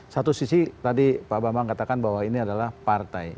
satu sisi tadi pak bambang katakan bahwa ini adalah partai